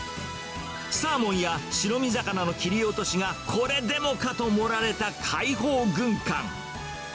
サーモンや白身魚の切り落としが、これでもかと盛られた海宝軍艦。